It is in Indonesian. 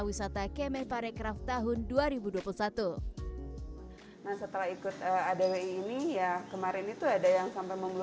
wisata kemen parekraf tahun dua ribu dua puluh satu nah setelah ikut adawi ini ya kemarin itu ada yang sampai